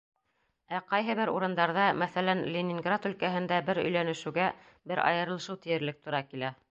Ә ҡайһы бер урындарҙа, мәҫәлән, Ленинград өлкәһендә бер өйләнешеүгә бер айырылышыу тиерлек тура килә.